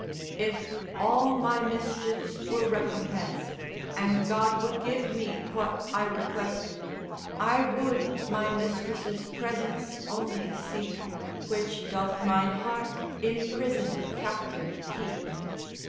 If all my mischiefs were recompensed And God would give we what I requested, I would my mistress' presence only seek, Which doth mine heart in prison captive keep.